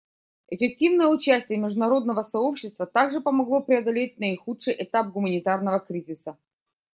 Эффективное участие международного сообщества также помогло преодолеть наихудший этап гуманитарного кризиса.